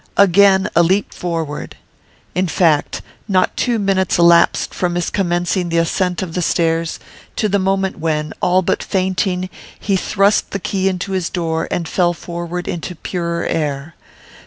Again a leap forward! In fact, not two minutes elapsed from his commencing the ascent of the stairs to the moment when, all but fainting, he thrust the key into his door and fell forward into purer air.